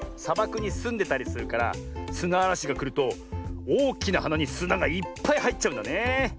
さばくにすんでたりするからすなあらしがくるとおおきなはなにすながいっぱいはいっちゃうんだねえ。